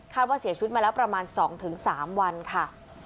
ว่าเสียชีวิตมาแล้วประมาณ๒๓วันค่ะ